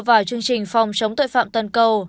vào chương trình phòng chống tội phạm toàn cầu